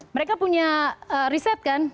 mereka punya riset kan